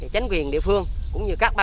chánh quyền địa phương cũng như các bàn hàng